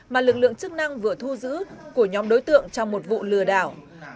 mà lực lượng chức năng vừa thu giữ của nhóm đối tượng trong một vụ lừa đảo